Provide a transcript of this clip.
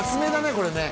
これね